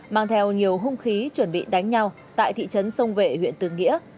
mang theo nhiều hung khí chuẩn bị đánh nhau tại thị trấn sông vệ huyện tương nghĩa